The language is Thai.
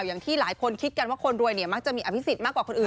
อย่างที่หลายคนคิดกันว่าคนรวยเนี่ยมักจะมีอภิษฎมากกว่าคนอื่น